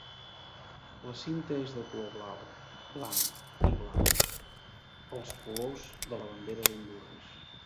La cinta és de color blau, blanc i blau, els colors de la bandera d'Hondures.